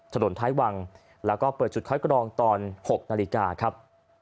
ถนนท้ายวังแล้วก็เปิดจุดคัดกรองตอน๖นาฬิกาครับ